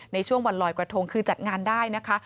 ในช่วงวันลอยกระทงคือจัดงานได้นะคะ